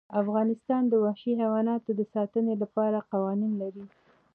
افغانستان د وحشي حیوانات د ساتنې لپاره قوانین لري.